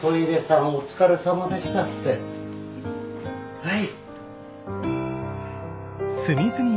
はい。